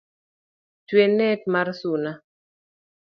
Twe net mar suna